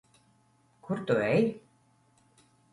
Kur tu ej?